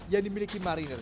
yang dimiliki mariner